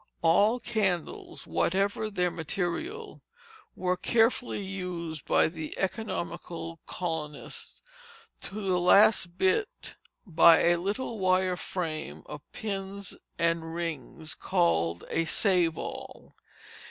All candles, whatever their material, were carefully used by the economical colonists to the last bit by a little wire frame of pins and rings called a save all.